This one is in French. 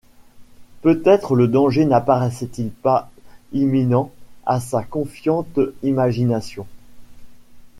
Peut-être le danger n’apparaissait-il pas imminent à sa confiante imagination.